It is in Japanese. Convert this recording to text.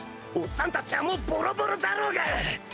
おっさんたちはもうボロボロだろうが！